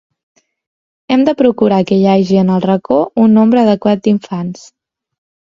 Hem de procurar que hi hagi en el racó un nombre adequat d’infants.